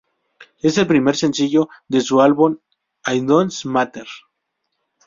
Es el primer sencillo de su álbum It Doesn't Matter.